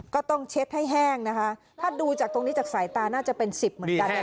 ก็ต้องเช็ดให้แห้งนะคะถ้าดูจากตรงนี้จากสายตาน่าจะเป็นสิบเหมือนกัน